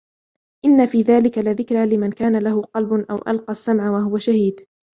إن في ذلك لذكرى لمن كان له قلب أو ألقى السمع وهو شهيد